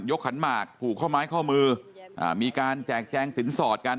ขันหมากผูกข้อไม้ข้อมืออ่ามีการแจกแจงสินสอดกัน